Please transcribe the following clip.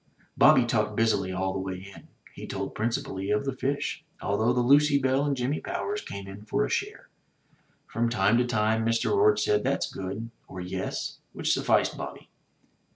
Bobby talked busily all the way in. He told principally of the fish, although the Lucy Belle and Jimmy Powers came in for a share. From time to time Mr. Orde said, "That's good," or, "Yes," which sufficed Bobby.